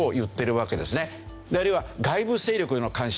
あるいは外部勢力の干渉